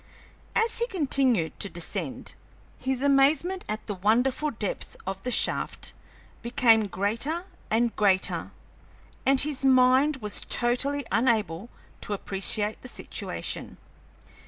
As he continued to descend, his amazement at the wonderful depth of the shaft became greater and greater and his mind was totally unable to appreciate the situation.